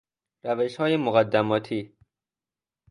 روشهای مقدماتی